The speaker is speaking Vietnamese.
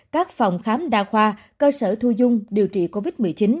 các phòng khám đa khoa cơ sở thu dung điều trị covid một mươi chín